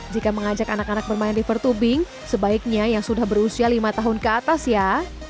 jika mengajak anak anak bermain river tubing sebaiknya yang sudah berusia lima tahun ke atas ya